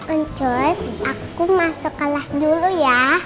oncoy aku masuk kelas dulu ya